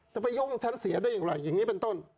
ไปยุ่งฉันเสียได้อย่างไรอย่างนี้เป็นต้น